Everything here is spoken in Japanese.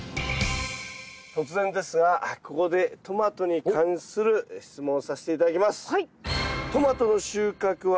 突然ですがここでトマトに関する質問をさせて頂きます。